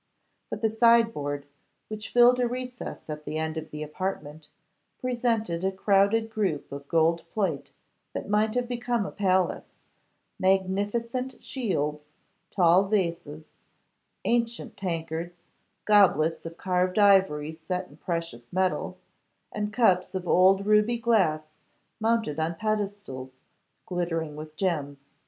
But the sideboard, which filled a recess at the end of the apartment, presented a crowded group of gold plate that might have become a palace; magnificent shields, tall vases, ancient tankards, goblets of carved ivory set in precious metal, and cups of old ruby glass mounted on pedestals, glittering with gems.